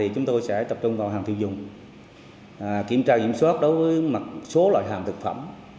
chúng tôi sẽ tập trung vào hàng thư dùng kiểm tra diễm soát đối với mặt số loại hàng thực phẩm